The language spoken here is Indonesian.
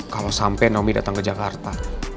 kalau sampai nomi datang ke jakarta